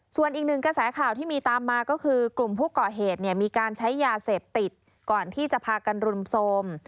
ส่วนอีกหนึ่งกระแสข่าวที่มีตามมาก็คือกลุ่มผู้ก่อเหตุเนี่ยมีการใช้ยาเสพติดก่อนที่จะพากันรุมโทรม